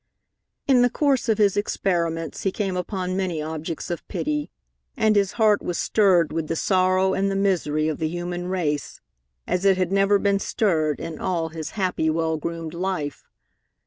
In the course of his experiments he came upon many objects of pity, and his heart was stirred with the sorrow and the misery of the human race as it had never been stirred in all his happy, well groomed life.